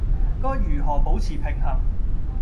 該如何保持平衡